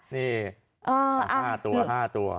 นี่๕ตัว